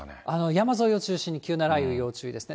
山沿いを中心に急な雷雨に要注意ですね。